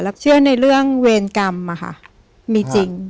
แล้วเชื่อในเรื่องเวรกรรมอะค่ะมีจริง